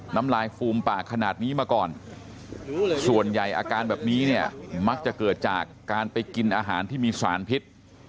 น้ำลายฟูมปากขนาดนี้มาก่อนส่วนใหญ่อาการแบบนี้เนี่ยมักจะเกิดจากการไปกินอาหารที่มีสารพิษ